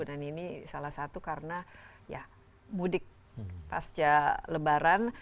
dan ini salah satu karena mudik pasca lebaran